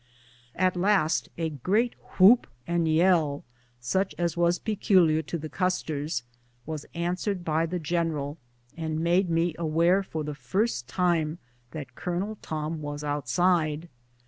At last a great whoop and yell, such as was peculiar to the Ousters, was answered by the general, and made me aware for the first time that Colonel Tom was out side.